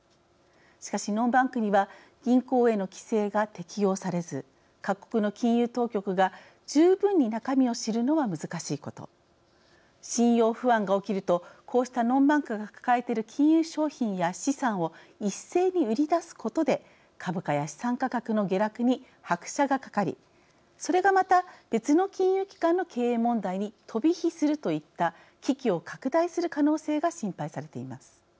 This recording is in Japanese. しかしノンバンクには銀行への規制が適用されず各国の金融当局が十分に中身を知るのは難しいこと信用不安が起きるとこうしたノンバンクが抱えている金融商品や資産を一斉に売り出すことで株価や資産価格の下落に拍車がかかりそれがまた別の金融機関の経営問題に飛び火するといった危機を拡大する可能性が心配されています。